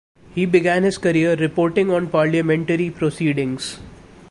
He began his career reporting on parliamentary proceedings.